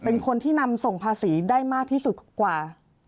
เป็นคนที่นำส่งภาษีได้มากที่สุดกว่า